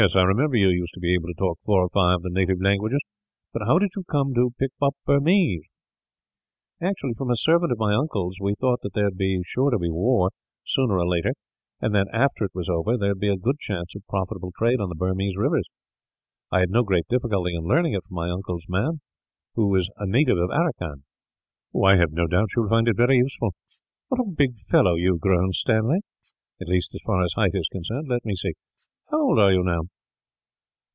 "I remember you used to be able to talk four or five of the native languages, but how did you come to pick up Burmese?" "From a servant of my uncle's. We thought that there would be sure to be war, sooner or later; and that, after it was over, there would be a good chance of profitable trade on the Burmese rivers. I had no great difficulty in learning it from my uncle's man, who was a native of Aracan." "I have no doubt you will find it very useful. What a big fellow you have grown, Stanley; at least, as far as height is concerned. Let me see. How old are you, now?"